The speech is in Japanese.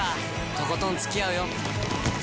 とことんつきあうよ！